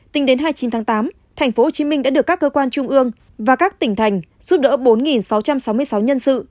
tính đến hai mươi chín tháng tám tp hcm đã được các cơ quan trung ương và các tỉnh thành giúp đỡ bốn sáu trăm sáu mươi sáu nhân sự